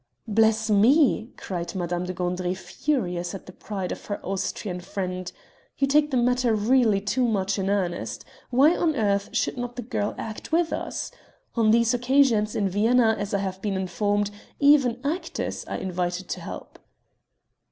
"Bless me!" cried Madame de Gandry furious at the pride of her Austrian friend, "you take the matter really too much in earnest. Why on earth should not the girl act with us? On these occasions, in Vienna, as I have been informed, even actors are invited to help."